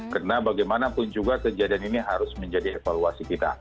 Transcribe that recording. karena bagaimanapun juga kejadian ini harus menjadi evaluasi kita